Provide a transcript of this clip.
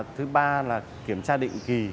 thứ ba là kiểm tra định kỳ